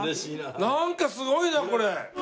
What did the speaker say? なんかすごいなこれ。